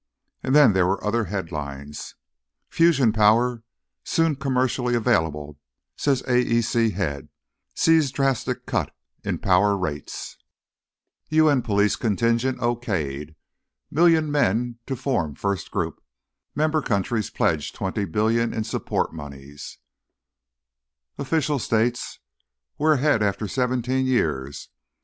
And then there were other headlines: FUSION POWER SOON COMMERCIALLY AVAILABLE SAYS AEC HEAD Sees Drastic Cut in Power Rates UN POLICE CONTINGENT OKAYED: MILLION MEN TO FORM 1ST GROUP Member Countries Pledge $20 Billion in Support Moneys OFFICIAL STATES: "WE'RE AHEAD AFTER 17 YEARS!"